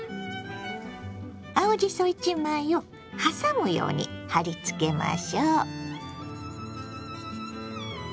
青じそ１枚をはさむように貼りつけましょう。